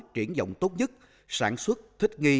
triển dọng tốt nhất sản xuất thích nghi